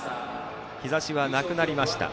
日ざしはなくなりました。